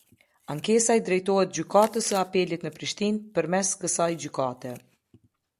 Ankesa i drejtohet Gjykatës së Apelit në Prishtinë, përmes kësaj gjykate.